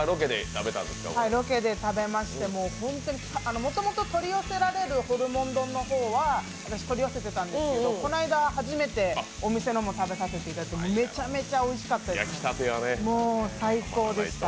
ロケで食べまして、もともと取り寄せられるホルモンは私、取り寄せてたんですけど、この間、初めてお店のも食べさせていただいてめちゃめちゃおいしかったです、もう最高でした。